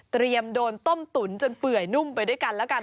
โดนต้มตุ๋นจนเปื่อยนุ่มไปด้วยกันแล้วกัน